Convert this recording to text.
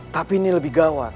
tapi ini lebih gawat